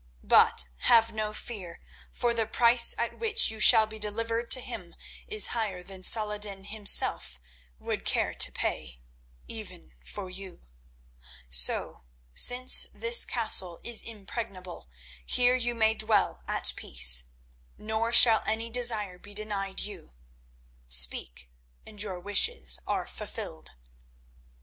But have no fear, for the price at which you shall be delivered to him is higher than Salah ed din himself would care to pay, even for you. So, since this castle is impregnable, here you may dwell at peace, nor shall any desire be denied you. Speak, and your wishes are fulfilled."